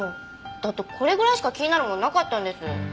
だってこれぐらいしか気になるものなかったんです。